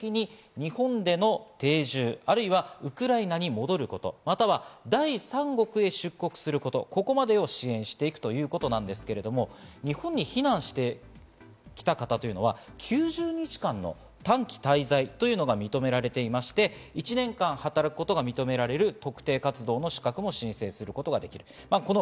そのあと最終的に日本での定住、あるいはウクライナに戻ること、または第三国へ出国すること、ここまでを支援するということなんですが、日本に避難してきた方というのは９０日間の短期滞在というのが認められていまして１年間働くことが認められる特定活動の資格も申請することができる。